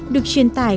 được truyền tải